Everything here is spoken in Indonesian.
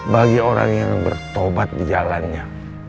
bagi orang yang bertobat di jalannya